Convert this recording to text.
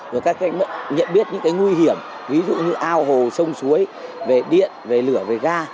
về cách nhận biết những nguy hiểm ví dụ như ao hồ sông suối về điện về lửa về ga